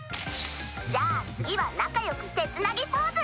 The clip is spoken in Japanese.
じゃあ次は仲よく手つなぎポーズ。